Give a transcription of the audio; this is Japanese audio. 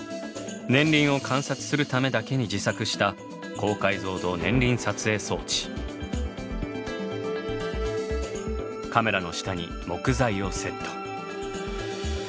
年輪を観察するためだけに自作したカメラの下に木材をセット。